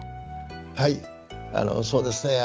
はいそうですね。